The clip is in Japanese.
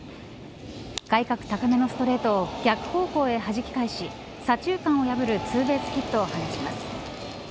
外角高めのストレートを逆方向へはじき返し左中間を破るツーベースヒットを放ちます。